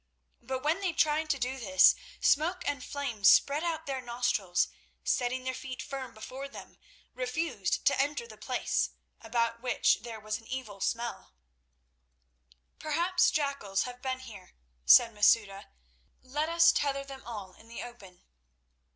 But when they tried to do this, Smoke and Flame spread out their nostrils, and setting their feet firm before them, refused to enter the place, about which there was an evil smell. "Perhaps jackals have been here," said Masouda. "Let us tether them all in the open."